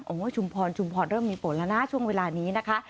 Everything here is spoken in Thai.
โอ้โหชุมพรชุมพรเริ่มมีฝนแล้วนะช่วงเวลานี้นะคะ